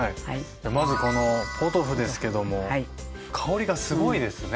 じゃあまずこのポトフですけども香りがすごいですね。